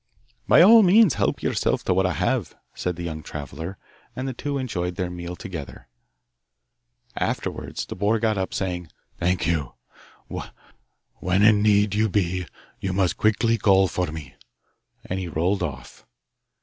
'By all means. Help yourself to what I have,' said the young traveller. And the two enjoyed their meal together. Afterwards the boar got up, saying, 'Thank you; when in need you be you must quickly call for me,' and he rolled off.